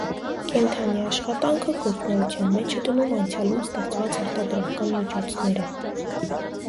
Կենդանի աշխատանքը գործունեության մեջ է դնում անցյալում ստեղծված արտադրական միջոցները։